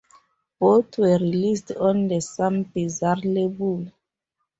Both were released on the Some Bizzare label.